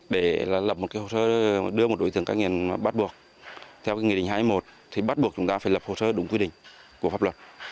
để lập một hồ sơ đưa một đối tượng ca nghiện bắt buộc theo nghị định hai mươi một thì bắt buộc chúng ta phải lập hồ sơ đúng quy định của pháp luật